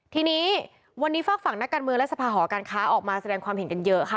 ทีนี้วันนี้ฝากฝั่งนักการเมืองและสภาหอการค้าออกมาแสดงความเห็นกันเยอะค่ะ